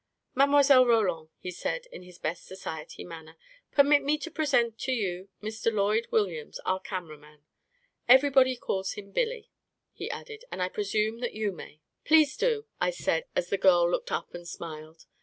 44 Mile. Roland," he said, in his best society man ner, " permit me to present to you Mr. Lloyd Wil liams, our cameraman. Everybody calls him Billy," he added, " and I presume that you may." 44 Please do !" I said, as the girl looked up and smiled.